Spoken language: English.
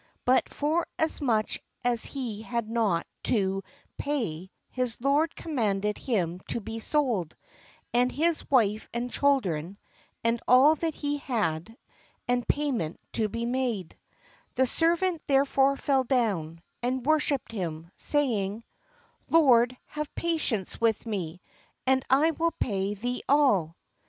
But forasmuch as he Had not to pay, his lord commanded him to be sold, and his wife and children, and a'll that he had, and pay ment to be made. The servant therefore fell down, 18 . THE LORD AND THE SERVANTS and worshipped him, say ing: Lord, have patience with me, and I will pay thee all."